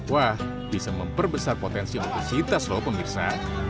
wah bisa memperbesar potensi obesitas loh pemirsa